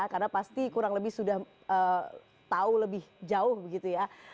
karena pasti kurang lebih sudah tahu lebih jauh begitu ya